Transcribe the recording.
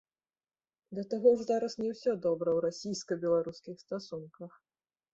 Да таго ж зараз не ўсё добра ў расійска-беларускіх стасунках.